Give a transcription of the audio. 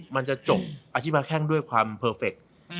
มันจะจบอาชิมาแข้งด้วยความเพอร์เฟค